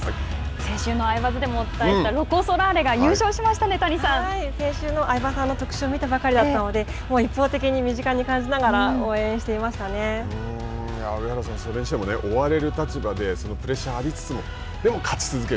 先週のアイバズでもお伝えしたロコ・ソラーレが先週の相葉さんの特集を見たばかりだったので一方的に身近に感じながらそれにしても追われる立場でそのプレッシャーを浴びつつもでも勝ち続ける。